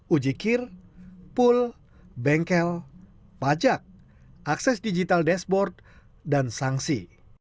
ujikir pul bengkel pajak akses digital dashboard dan sanksi